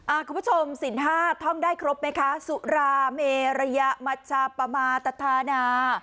คุณผู้ชมสินห้าท่องได้ครบไหมคะสุราเมระยะมัชชาปมาตธานา